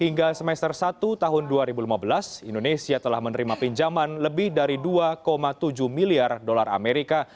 hingga semester satu tahun dua ribu lima belas indonesia telah menerima pinjaman lebih dari dua tujuh miliar dolar amerika